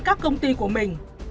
các công ty của mình